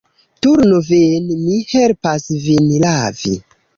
Turnu vin, mi helpas vin lavi.